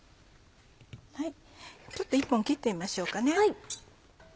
ちょっと１本切ってみましょうかね。